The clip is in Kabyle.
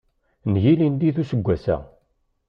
N yilindi d useggas-a.